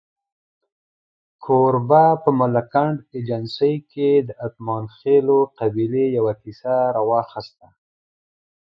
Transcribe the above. کوربه په ملکنډ ایجنسۍ کې د اتمانخېلو قبیلې یوه کیسه راواخسته.